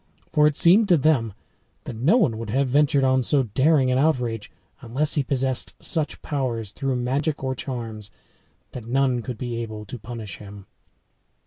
For it seemed to them that no one would have ventured on so daring an outrage unless he possessed such powers, through magic or charms, that none could be able to punish him.